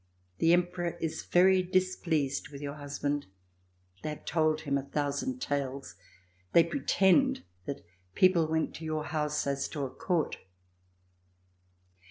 The Emperor is very displeased with your husband. They have told him a thousand tales. They pretend that peoi)le went to your house as to a Court."